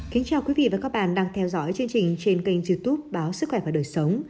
kính chào quý vị và các bạn đang theo dõi chương trình trên kênh youtube báo sức khỏe và đời sống